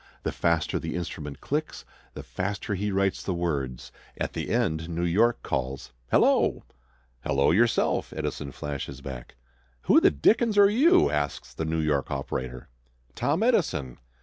The faster the instrument clicks, the faster he writes the words. At the end New York calls: "Hello!" "Hello yourself!" Edison flashes back. "Who the dickens are you?" asks the New York operator. "Tom Edison."